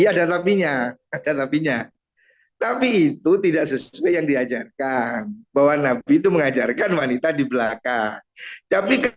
ada tapi nya tapi itu tidak sesuai yang diajarkan bahwa nabi itu mengajarkan wanita di belakang tapi